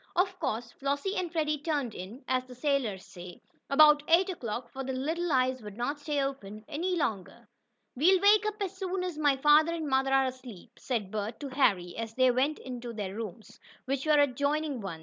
Of course Flossie and Freddie "turned in," as sailors say, about eight o'clock, for their little eyes would not stay open any longer. "We'll wake up as soon as my father and mother are asleep," said Bert to Harry, as they went to their rooms, which were adjoining ones.